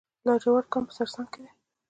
د لاجورد کان په سرسنګ کې دی